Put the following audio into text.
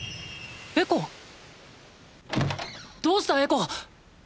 エコ⁉どうしたエコ！！